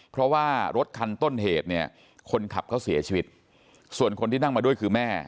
เพราะว่ารถคันต้นเหตุเนี่ยคนขับเขาเสียชีวิตส่วนคนที่นั่งมาด้วยคือแม่